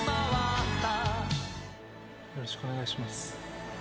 よろしくお願いします。